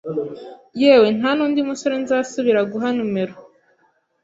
yewe nta n’undi musore nzasubira guha numero